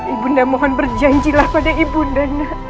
ibu nde mohon berjanjilah pada ibu nde